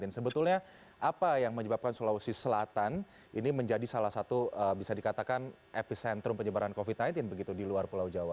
sebetulnya apa yang menyebabkan sulawesi selatan ini menjadi salah satu bisa dikatakan epicentrum penyebaran covid sembilan belas begitu di luar pulau jawa